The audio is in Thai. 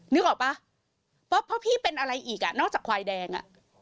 นึกออกปะเพราะพี่เป็นอะไรอีกนอกจากควายแดง